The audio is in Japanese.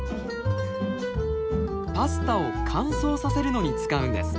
パスタを乾燥させるのに使うんです。